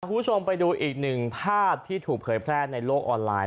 คุณผู้ชมไปดูอีกหนึ่งภาพที่ถูกเผยแพร่ในโลกออนไลน